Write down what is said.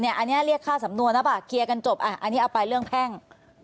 อันนี้เรียกค่าสำนวนหรือเปล่าเคลียร์กันจบอันนี้เอาไปเรื่องแพ่ง